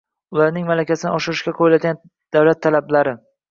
ularning malakasini oshirishga qo`yiladigan davlat talablari